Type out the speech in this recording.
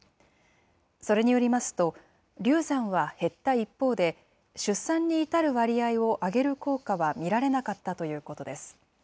それによりますと、流産は減った一方で、出産に至る割合を上げる効果は見られなかったということです。